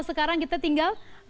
sekarang kita tinggal